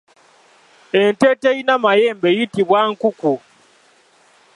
Ente eterina mayembe eyitibwa nkunku.